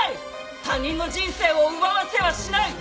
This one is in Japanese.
他人の人生を奪わせはしない！